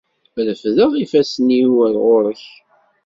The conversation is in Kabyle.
Refdeɣ ifassen-iw ar ɣur-k.